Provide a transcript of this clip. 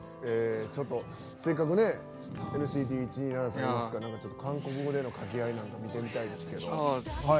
せっかくＮＣＴ１２７さんがいますから何か韓国語での掛け合いなんか見てみたいですけど。